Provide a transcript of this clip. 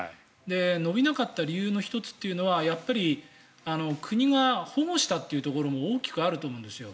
伸びなかった理由の１つというのは国が保護したというところも大きくあると思うんですよ。